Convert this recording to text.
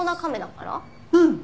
うん。